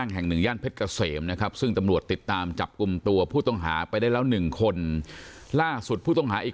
ตลอดเวลาเขาเป็นคนดี